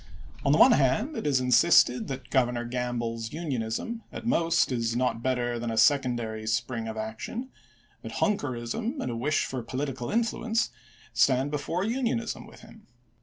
On the one hand, it is insisted that Governor Gamble's Unionism, at most, is not better than a secondary spring of action ; that Hunk erism and a wish for political influence stand before Unionism with him.